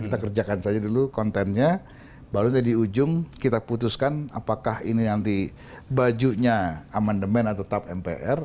kita kerjakan saja dulu kontennya baru saja di ujung kita putuskan apakah ini nanti bajunya amendement atau tetap mpr